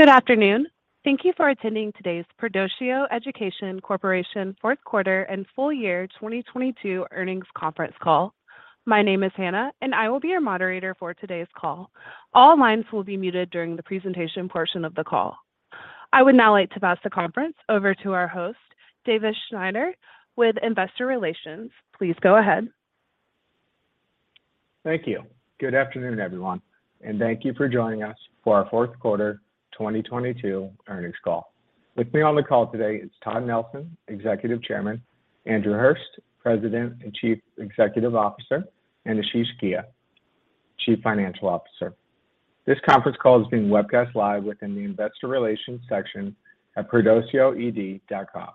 Good afternoon. Thank you for attending today's Perdoceo Education Corporation Fourth Quarter and Full Year 2022 Earnings Conference Call. My name is Hannah. I will be your moderator for today's call. All lines will be muted during the presentation portion of the call. I would now like to pass the conference over to our host, Davis Snyder with Investor Relations. Please go ahead. Thank you. Good afternoon, everyone, thank you for joining us for our fourth quarter 2022 earnings call. With me on the call today is Todd Nelson, Executive Chairman, Andrew Hurst, President and Chief Executive Officer, and Ashish Ghia, Chief Financial Officer. This conference call is being webcast live within the Investor Relations section at perdoceoed.com.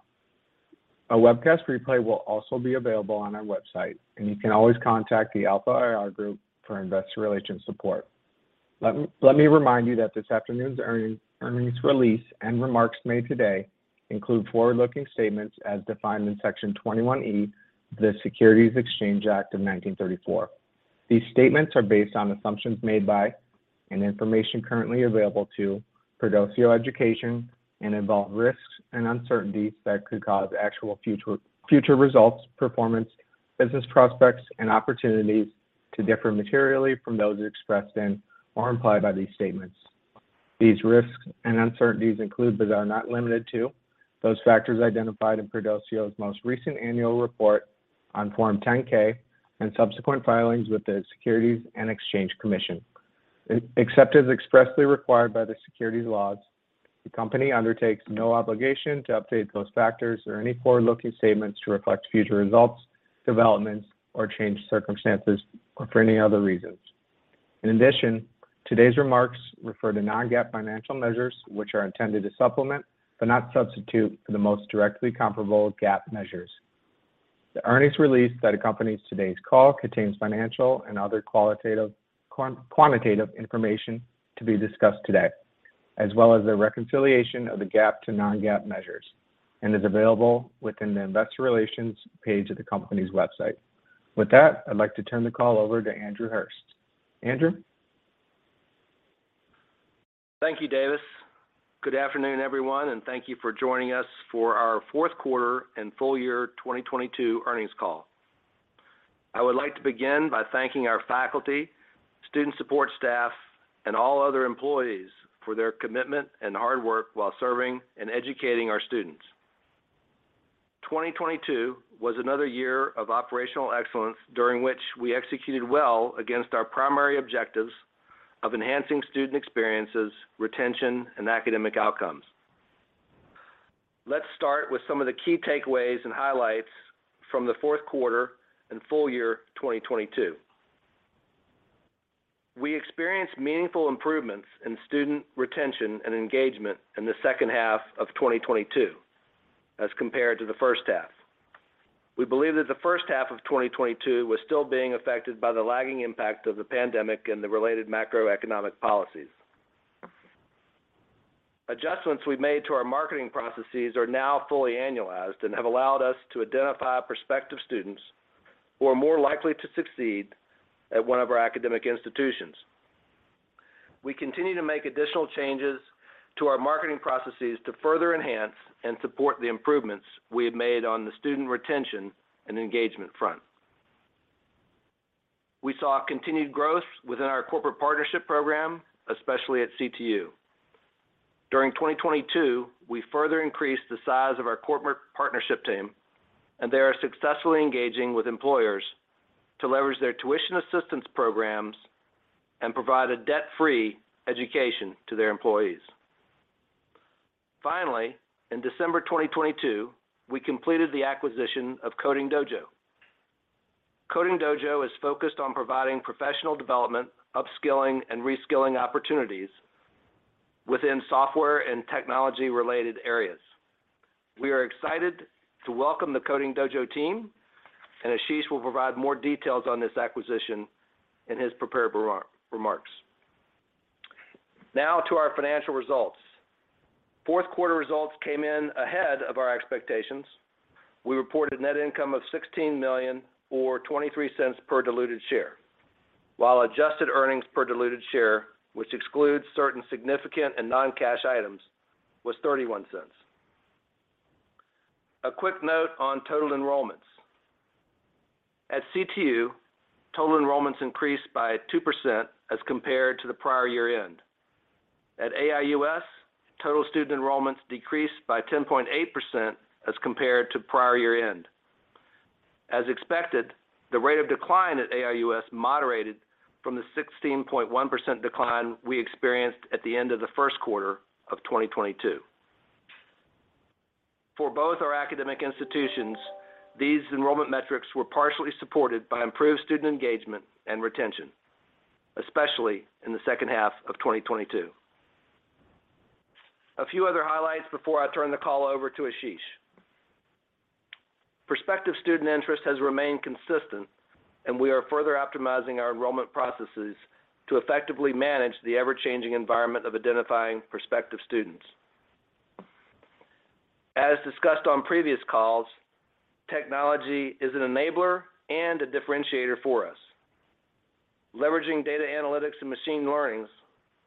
A webcast replay will also be available on our website. You can always contact the Alpha IR Group for Investor Relations support. Let me remind you that this afternoon's earnings release and remarks made today include forward-looking statements as defined in Section 21E, the Securities Exchange Act of 1934. These statements are based on assumptions made by and information currently available to Perdoceo Education and involve risks and uncertainties that could cause actual future results, performance, business prospects and opportunities to differ materially from those expressed in or implied by these statements. These risks and uncertainties include, but are not limited to, those factors identified in Perdoceo's most recent annual report on Form 10-K and subsequent filings with the Securities and Exchange Commission. Except as expressly required by the securities laws, the company undertakes no obligation to update those factors or any forward-looking statements to reflect future results, developments or changed circumstances or for any other reasons. In addition, today's remarks refer to non-GAAP financial measures, which are intended to supplement, but not substitute, for the most directly comparable GAAP measures. The earnings release that accompanies today's call contains financial and other quantitative information to be discussed today, as well as a reconciliation of the GAAP to non-GAAP measures, and is available within the investor relations page of the company's website. With that, I'd like to turn the call over to Andrew Hurst. Andrew. Thank you, Davis. Good afternoon, everyone, and thank you for joining us for our fourth quarter and full year 2022 earnings call. I would like to begin by thanking our faculty, student support staff and all other employees for their commitment and hard work while serving and educating our students. 2022 was another year of operational excellence, during which we executed well against our primary objectives of enhancing student experiences, retention, and academic outcomes. Let's start with some of the key takeaways and highlights from the fourth quarter and full year 2022. We experienced meaningful improvements in student retention and engagement in the second half of 2022 as compared to the first half. We believe that the first half of 2022 was still being affected by the lagging impact of the pandemic and the related macroeconomic policies. Adjustments we've made to our marketing processes are now fully annualized and have allowed us to identify prospective students who are more likely to succeed at one of our academic institutions. We continue to make additional changes to our marketing processes to further enhance and support the improvements we have made on the student retention and engagement front. We saw continued growth within our corporate partnership program, especially at CTU. During 2022, we further increased the size of our corporate partnership team and they are successfully engaging with employers to leverage their tuition assistance programs and provide a debt-free education to their employees. Finally, in December 2022, we completed the acquisition of Coding Dojo. Coding Dojo is focused on providing professional development, upskilling, and reskilling opportunities within software and technology related areas. We are excited to welcome the Coding Dojo team. Ashish will provide more details on this acquisition in his prepared remarks. Now to our financial results. Fourth quarter results came in ahead of our expectations. We reported net income of $16 million or $0.23 per diluted share. Adjusted earnings per diluted share, which excludes certain significant and non-cash items, was $0.31. A quick note on total enrollments. At CTU, total enrollments increased by 2% as compared to the prior year end. At AIUS, total student enrollments decreased by 10.8% as compared to prior year end. Expected, the rate of decline at AIUS moderated from the 16.1% decline we experienced at the end of the first quarter of 2022. For both our academic institutions, these enrollment metrics were partially supported by improved student engagement and retention, especially in the second half of 2022. A few other highlights before I turn the call over to Ashish. Prospective student interest has remained consistent. We are further optimizing our enrollment processes to effectively manage the ever-changing environment of identifying prospective students. As discussed on previous calls, technology is an enabler and a differentiator for us. Leveraging data analytics and machine learning,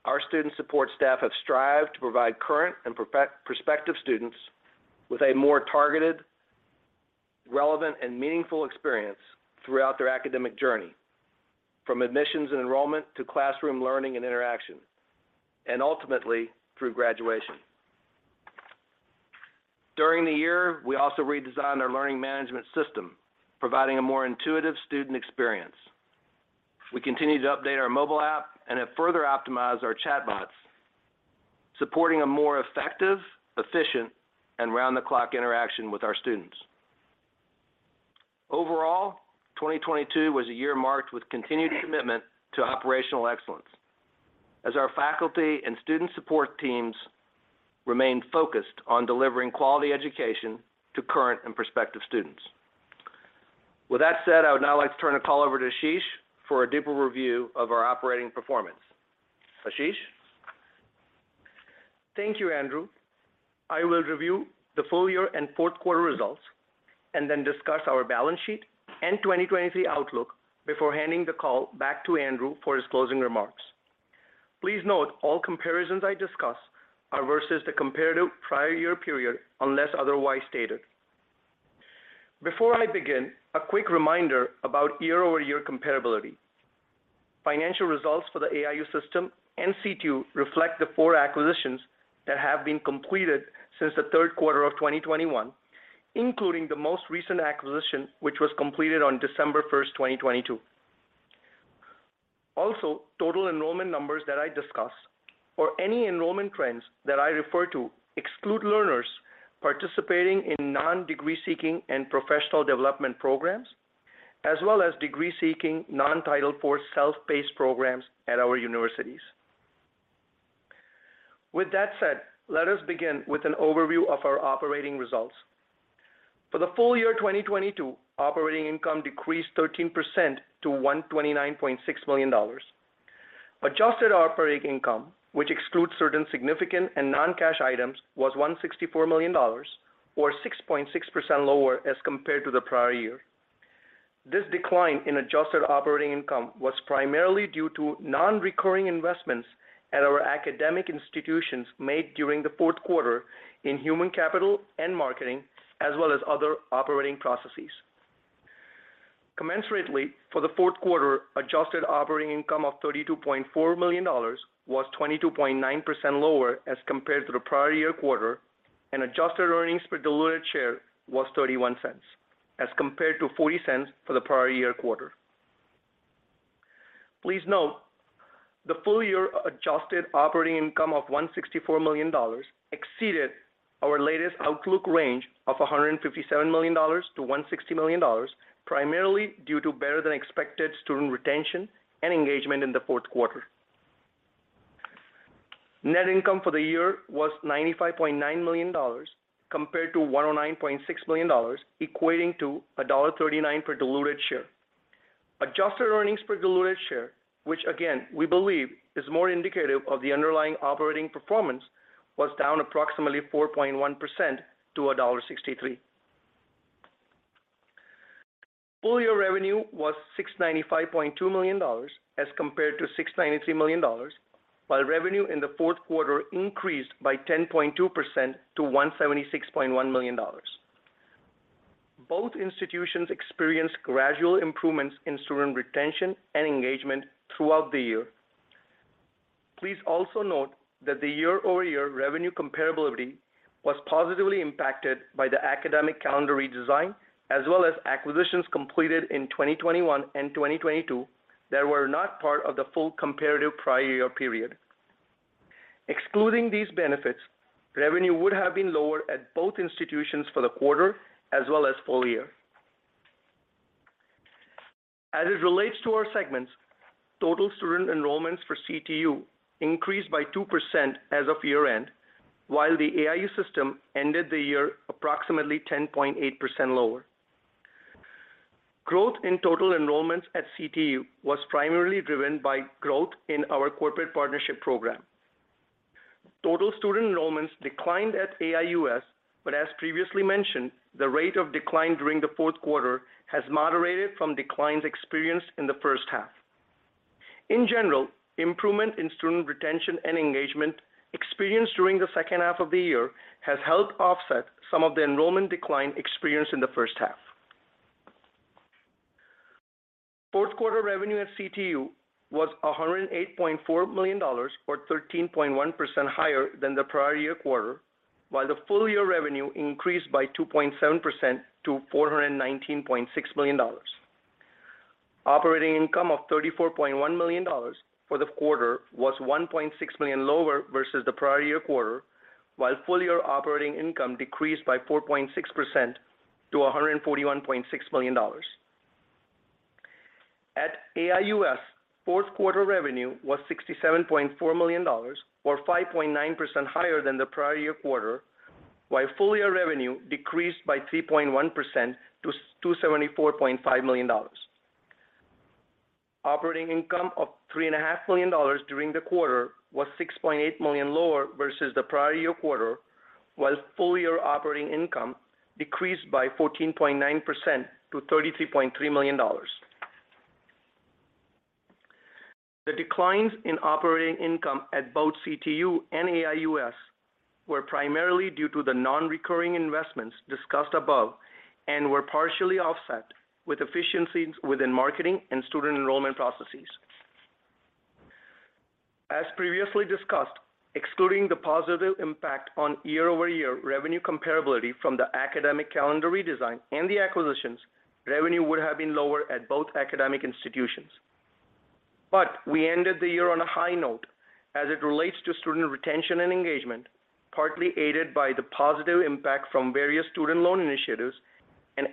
our student support staff have strived to provide current and prospective students with a more targeted, relevant, and meaningful experience throughout their academic journey, from admissions and enrollment to classroom learning and interaction, and ultimately through graduation. During the year, we also redesigned our learning management system, providing a more intuitive student experience. We continue to update our mobile app and have further optimized our chatbots, supporting a more effective, efficient, and round-the-clock interaction with our students. 2022 was a year marked with continued commitment to operational excellence as our faculty and student support teams remained focused on delivering quality education to current and prospective students. With that said, I would now like to turn the call over to Ashish for a deeper review of our operating performance. Ashish? Thank you, Andrew. I will review the full year and fourth quarter results and then discuss our balance sheet and 2023 outlook before handing the call back to Andrew for his closing remarks. Please note all comparisons I discuss are versus the comparative prior year period, unless otherwise stated. Before I begin, a quick reminder about year-over-year comparability. Financial results for the AIU System and CTU reflect the four acquisitions that have been completed since the third quarter of 2021, including the most recent acquisition, which was completed on December 1st, 2022. Also, total enrollment numbers that I discuss or any enrollment trends that I refer to exclude learners participating in non-degree seeking and professional development programs, as well as degree-seeking non-Title IV self-paced programs at our universities. With that said, let us begin with an overview of our operating results. For the full year 2022, operating income decreased 13% to $129.6 million. adjusted operating income, which excludes certain significant and non-cash items, was $164 million, or 6.6% lower as compared to the prior year. This decline in adjusted operating income was primarily due to non-recurring investments at our academic institutions made during the fourth quarter in human capital and marketing, as well as other operating processes. Commensurately, for the fourth quarter, adjusted operating income of $32.4 million was 22.9% lower as compared to the prior year quarter, and adjusted earnings per diluted share was $0.31 as compared to $0.40 for the prior year quarter. Please note the full year adjusted operating income of $164 million exceeded our latest outlook range of $157 million to $160 million, primarily due to better than expected student retention and engagement in the fourth quarter. Net income for the year was $95.9 million compared to $109.6 million, equating to $1.39 per diluted share. Adjusted earnings per diluted share, which again we believe is more indicative of the underlying operating performance, was down approximately 4.1% to $1.63. Full year revenue was $695.2 million as compared to $693 million, while revenue in the fourth quarter increased by 10.2% to $176.1 million. Both institutions experienced gradual improvements in student retention and engagement throughout the year. Please also note that the year-over-year revenue comparability was positively impacted by the academic calendar redesign, as well as acquisitions completed in 2021 and 2022 that were not part of the full comparative prior year period. Excluding these benefits, revenue would have been lower at both institutions for the quarter as well as full year. It relates to our segments, total student enrollments for CTU increased by 2% as of year-end, while the AIU System ended the year approximately 10.8% lower. Growth in total enrollments at CTU was primarily driven by growth in our corporate partnership program. Total student enrollments declined at AIUS, but as previously mentioned, the rate of decline during the fourth quarter has moderated from declines experienced in the first half. In general, improvement in student retention and engagement experienced during the second half of the year has helped offset some of the enrollment decline experienced in the first half. Fourth quarter revenue at CTU was $108.4 million or 13.1% higher than the prior year quarter, while the full year revenue increased by 2.7% to $419.6 million. Operating income of $34.1 million for the quarter was $1.6 million lower versus the prior year quarter, while full year operating income decreased by 4.6% to $141.6 million. At AIUS, fourth quarter revenue was $67.4 million or 5.9% higher than the prior year quarter, while full year revenue decreased by 3.1% to $274.5 million. Operating income of three and a half million dollars during the quarter was $6.8 million lower versus the prior year quarter, while full year operating income decreased by 14.9% to $33.3 million. The declines in operating income at both CTU and AIUS were primarily due to the non-recurring investments discussed above and were partially offset with efficiencies within marketing and student enrollment processes. As previously discussed, excluding the positive impact on year-over-year revenue comparability from the academic calendar redesign and the acquisitions, revenue would have been lower at both academic institutions. We ended the year on a high note as it relates to student retention and engagement, partly aided by the positive impact from various student loan initiatives.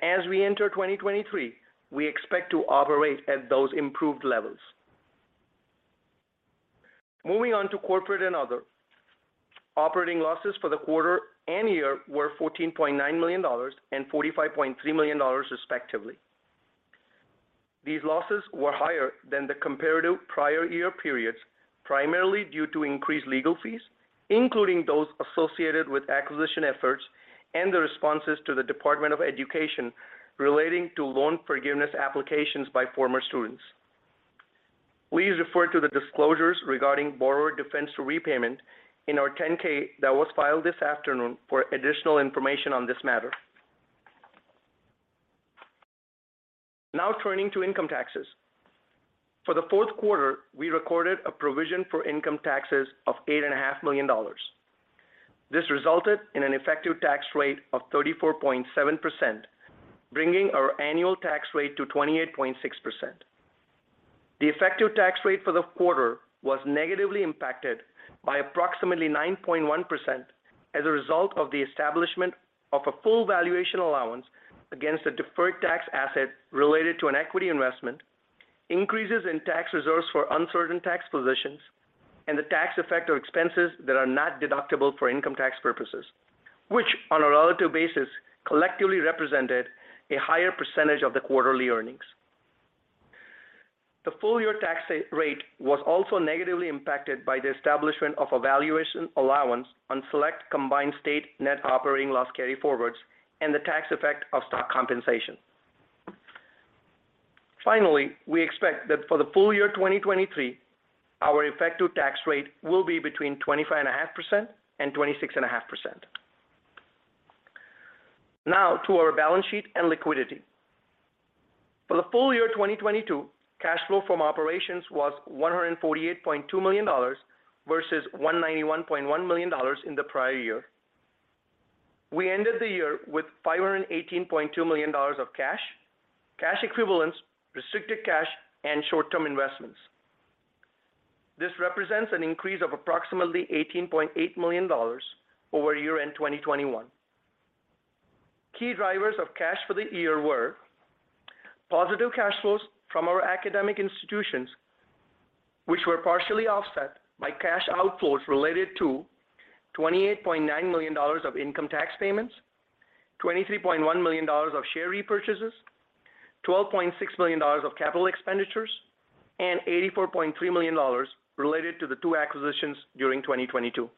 As we enter 2023, we expect to operate at those improved levels. Moving on to corporate and other. Operating losses for the quarter and year were $14.9 million and $45.3 million, respectively. These losses were higher than the comparative prior year periods, primarily due to increased legal fees, including those associated with acquisition efforts and the responses to the Department of Education relating to loan forgiveness applications by former students. Please refer to the disclosures regarding borrower defense to repayment in our 10-K that was filed this afternoon for additional information on this matter. Turning to income taxes. For the fourth quarter, we recorded a provision for income taxes of $8.5 million. This resulted in an effective tax rate of 34.7%, bringing our annual tax rate to 28.6%. The effective tax rate for the quarter was negatively impacted by approximately 9.1% as a result of the establishment of a full valuation allowance against the deferred tax asset related to an equity investment, increases in tax reserves for uncertain tax positions, and the tax effect of expenses that are not deductible for income tax purposes. Which on a relative basis, collectively represented a higher percentage of the quarterly earnings. The full year tax rate was also negatively impacted by the establishment of a valuation allowance on select combined state net operating loss carryforwards and the tax effect of stock compensation. We expect that for the full year 2023, our effective tax rate will be between 25.5% and 26.5%. To our balance sheet and liquidity. For the full year 2022, cash flow from operations was $148.2 million versus $191.1 million in the prior year. We ended the year with $518.2 million of cash equivalents, restricted cash, and short-term investments. This represents an increase of approximately $18.8 million over year-end 2021. Key drivers of cash for the year were positive cash flows from our academic institutions, which were partially offset by cash outflows related to $28.9 million of income tax payments, $23.1 million of share repurchases, $12.6 million of capital expenditures, and $84.3 million related to the two acquisitions during 2022.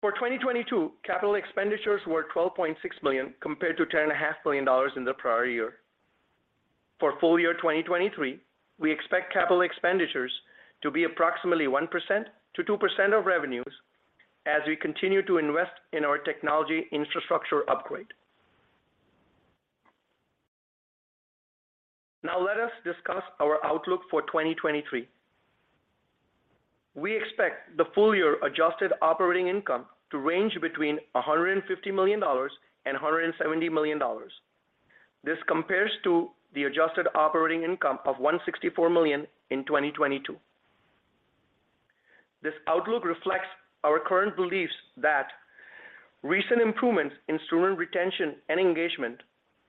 For 2022, capital expenditures were $12.6 million compared to 10 and a half million dollars in the prior year. For full year 2023, we expect capital expenditures to be approximately 1%-2% of revenues as we continue to invest in our technology infrastructure upgrade. Let us discuss our outlook for 2023. We expect the full year adjusted operating income to range between $150 million and $170 million. This compares to the adjusted operating income of $164 million in 2022. This outlook reflects our current beliefs that recent improvements in student retention and engagement,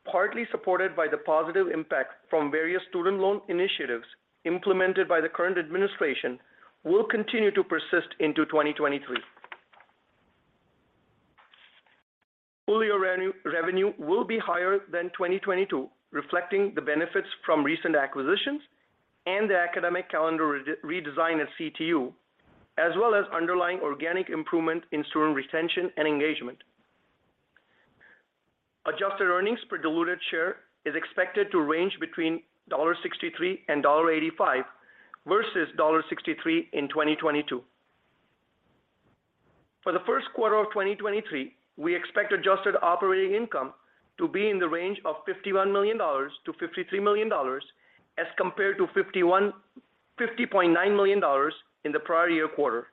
partly supported by the positive impact from various student loan initiatives implemented by the current administration, will continue to persist into 2023. Full year revenue will be higher than 2022, reflecting the benefits from recent acquisitions and the academic calendar redesign at CTU, as well as underlying organic improvement in student retention and engagement. adjusted earnings per diluted share is expected to range between $1.63 and $1.85 versus $1.63 in 2022. For the first quarter of 2023, we expect adjusted operating income to be in the range of $51 million-$53 million as compared to $50.9 million in the prior-year quarter.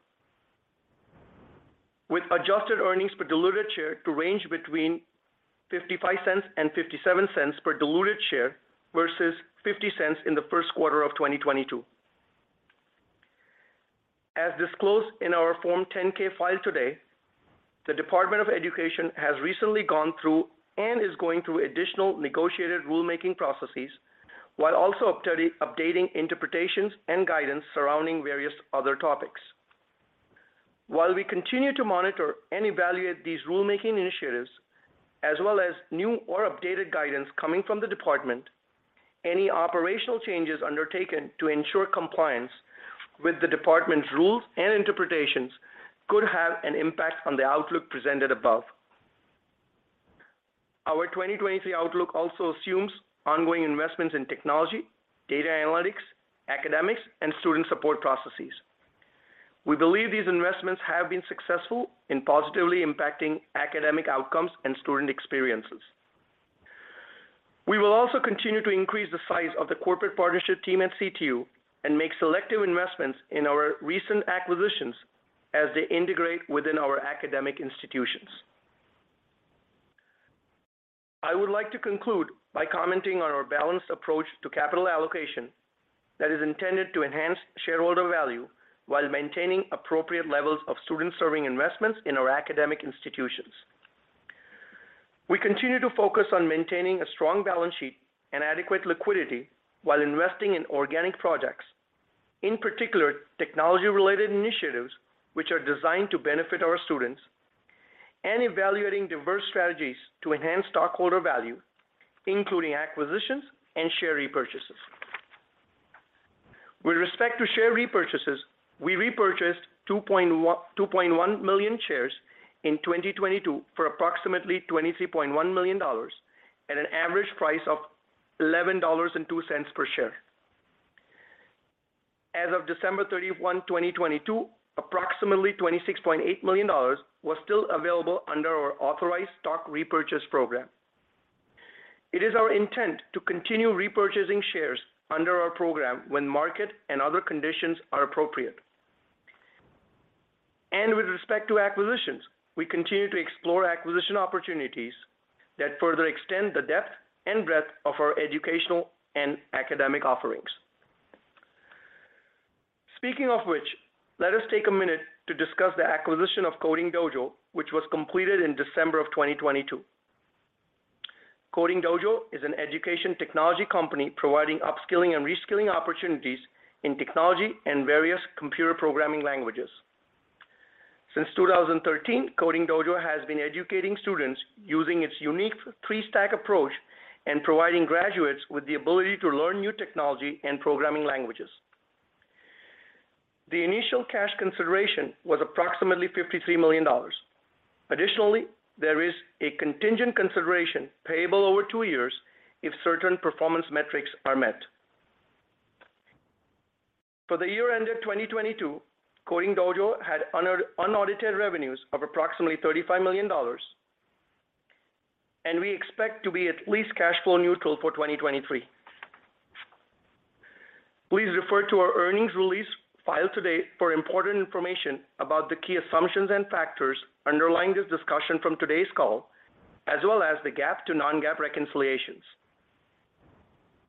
With adjusted earnings per diluted share to range between $0.55 and $0.57 per diluted share versus $0.50 in the first quarter of 2022. As disclosed in our Form 10-K filed today, the Department of Education has recently gone through and is going through additional negotiated rulemaking processes while also updating interpretations and guidance surrounding various other topics. While we continue to monitor and evaluate these rulemaking initiatives, as well as new or updated guidance coming from the department, any operational changes undertaken to ensure compliance with the department's rules and interpretations could have an impact on the outlook presented above. Our 2023 outlook also assumes ongoing investments in technology, data analytics, academics, and student support processes. We believe these investments have been successful in positively impacting academic outcomes and student experiences. We will also continue to increase the size of the corporate partnership team at CTU and make selective investments in our recent acquisitions as they integrate within our academic institutions. I would like to conclude by commenting on our balanced approach to capital allocation that is intended to enhance shareholder value while maintaining appropriate levels of student-serving investments in our academic institutions. We continue to focus on maintaining a strong balance sheet and adequate liquidity while investing in organic projects, in particular, technology-related initiatives which are designed to benefit our students and evaluating diverse strategies to enhance stockholder value, including acquisitions and share repurchases. With respect to share repurchases, we repurchased 2.1 million shares in 2022 for approximately $23.1 million at an average price of $11.02 per share. As of December 31, 2022, approximately $26.8 million was still available under our authorized stock repurchase program. It is our intent to continue repurchasing shares under our program when market and other conditions are appropriate. With respect to acquisitions, we continue to explore acquisition opportunities that further extend the depth and breadth of our educational and academic offerings. Speaking of which, let us take a minute to discuss the acquisition of Coding Dojo, which was completed in December of 2022. Coding Dojo is an education technology company providing upskilling and reskilling opportunities in technology and various computer programming languages. Since 2013, Coding Dojo has been educating students using its unique three-stack approach and providing graduates with the ability to learn new technology and programming languages. The initial cash consideration was approximately $53 million. Additionally, there is a contingent consideration payable over two years if certain performance metrics are met. For the year end of 2022, Coding Dojo had unaudited revenues of approximately $35 million, and we expect to be at least cash flow neutral for 2023. Please refer to our earnings release filed today for important information about the key assumptions and factors underlying this discussion from today's call, as well as the GAAP to non-GAAP reconciliations.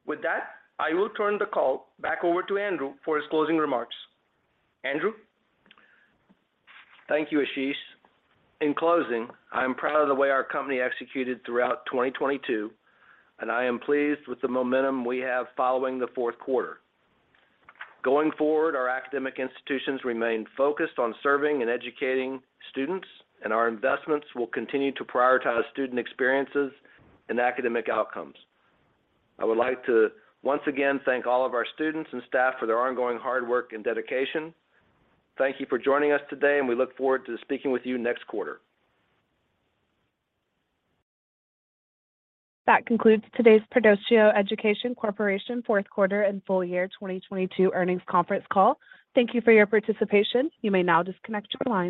With that, I will turn the call back over to Andrew for his closing remarks. Andrew? Thank you, Ashish. In closing, I am proud of the way our company executed throughout 2022, and I am pleased with the momentum we have following the fourth quarter. Going forward, our academic institutions remain focused on serving and educating students, and our investments will continue to prioritize student experiences and academic outcomes. I would like to once again thank all of our students and staff for their ongoing hard work and dedication. Thank you for joining us today, and we look forward to speaking with you next quarter. That concludes today's Perdoceo Education Corporation fourth quarter and full year 2022 earnings conference call. Thank you for your participation. You may now disconnect your line.